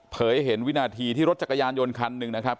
เห็นวินาทีที่รถจักรยานยนต์คันหนึ่งนะครับ